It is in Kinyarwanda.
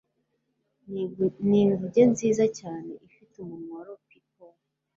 Ninguge nziza cyane ifite umunwa wa lollipop